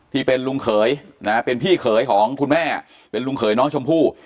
ที่เป็นลุงเขยนะเป็นพี่เขยของคุณแม่เป็นลุงเขยน้องชมพู่